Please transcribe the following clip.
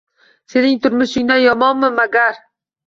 Sening turmushingdan yomonmi magar?